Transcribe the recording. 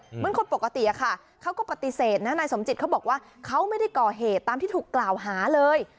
เหมือนคนปกติอะค่ะเขาก็ปฏิเสธนะนายสมจิตเขาบอกว่าเขาไม่ได้ก่อเหตุตามที่ถูกกล่าวหาเลย